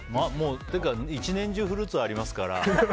一年中フルーツはありますから。